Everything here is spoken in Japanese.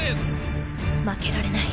負けられない。